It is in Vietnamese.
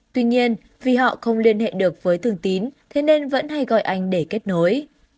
tuy nhiên vì họ không liên hệ được với thường tín thế nên vẫn hay gọi anh để kết nối